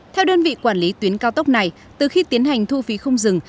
theo đơn vị quản lý tuyến cao tốc này từ khi tiến hành thu phí không dừng